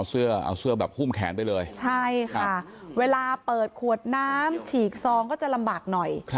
เสื้อเอาเสื้อแบบหุ้มแขนไปเลยใช่ค่ะเวลาเปิดขวดน้ำฉีกซองก็จะลำบากหน่อย